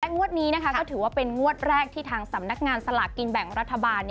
งวดนี้ก็ถือว่าเป็นงวดแรกที่ทางสำนักงานสลากกินแบ่งรัฐบาล